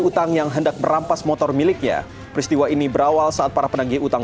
utang yang hendak merampas motor miliknya peristiwa ini berawal saat para penagi utang